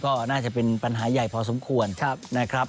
ก็น่าจะเป็นปัญหาใหญ่พอสมควรนะครับ